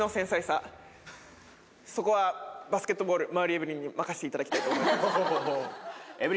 そこはバスケットボール馬瓜エブリンに任せていただきたいと思います。